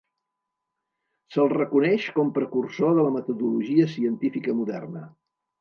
Se'l reconeix com precursor de la metodologia científica moderna.